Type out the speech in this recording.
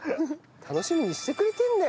楽しみにしてくれてるんだよ